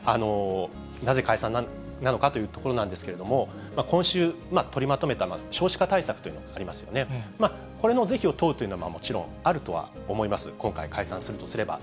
なぜ解散なのかというところなんですけれども、今週、取りまとめた少子化対策というのがありますよね、これの是非を問うというのはもちろんあるとは思います、今回、解散するとすれば。